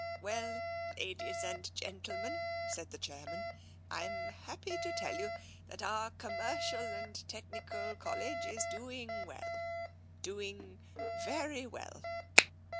"Well, ladies and gentlemen," said the chairman, " Tm happy to tell you that our Commercial and Tech nical College is doing well, doing very well.